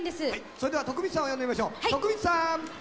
それでは徳光さんを呼んでみましょう徳光さん。